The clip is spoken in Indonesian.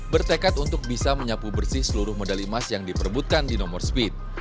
bertekad untuk bisa menyapu bersih seluruh medali emas yang diperbutkan di nomor speed